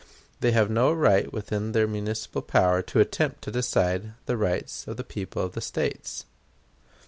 They have no right within their municipal power to attempt to decide the rights of the people of the States.